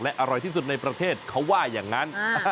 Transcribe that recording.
อร่อยที่สุดในประเทศเขาว่าอย่างนั้น